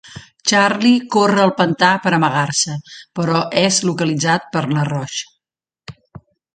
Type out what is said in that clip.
Charlie corre al pantà per amagar-se, però és localitzat per Laroche.